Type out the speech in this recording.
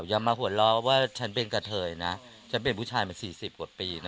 ยังมาหวดล้อว่าฉันเป็นกับเธอนะฉันเป็นผู้ชายมา๔๐กว่าปีนะ